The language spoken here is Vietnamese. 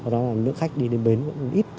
đó là lượng khách đi đến bến cũng ít